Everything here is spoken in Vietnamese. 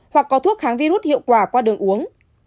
hoặc có thuốc kháng virus hiệu quả qua đường uống